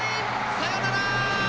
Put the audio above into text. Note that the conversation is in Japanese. サヨナラ！